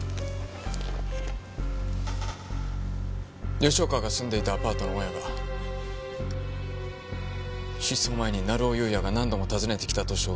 吉岡が住んでいたアパートの大家が失踪前に成尾優也が何度も訪ねてきたと証言しています。